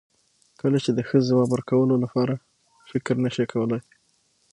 کله چې د ښه ځواب ورکولو لپاره فکر نشې کولای.